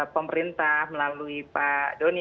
pemerintah melalui pak doni